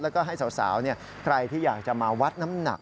แล้วก็ให้สาวใครที่อยากจะมาวัดน้ำหนัก